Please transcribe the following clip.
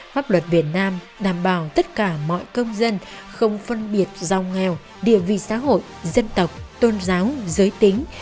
pháp luật việt nam đảm bảo tất cả mọi công dân không phân biệt giàu nghèo địa vị xã hội dân tộc tôn giáo giới tính